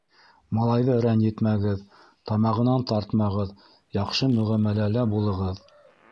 Малайҙы рәнйетмәгеҙ, тамағынан тартмағыҙ, яҡшы мөғәмәләлә булығыҙ.